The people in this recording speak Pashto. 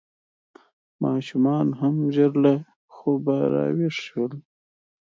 ماشومان هم ژر له خوبه راویښ شول.